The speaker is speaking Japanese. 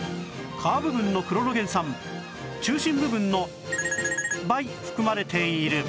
皮部分のクロロゲン酸中心部分の倍含まれている